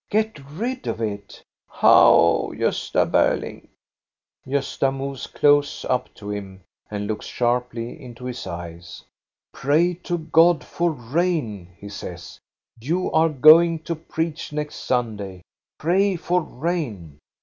" Get rid of it !"" How, Gosta Berling? " Gosta moves close up to him and looks sharply into his eyes. "Pray to God for rain," he says. "You are going to preach next Sunday. Pray for rain."